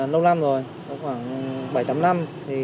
lâu năm rồi khoảng bảy tám năm